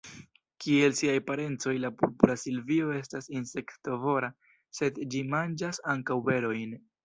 Kiel siaj parencoj, la Purpura silvio estas insektovora, sed ĝi manĝas ankaŭ berojn.